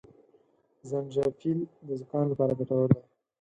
زنجپيل د زکام لپاره ګټور دي